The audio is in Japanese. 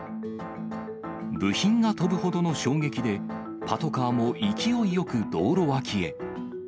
部品が飛ぶほどの衝撃で、パトカーも勢いよく道路脇へ。